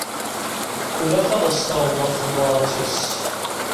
Ilaq ad as-terreḍ ɣef tebṛat-is.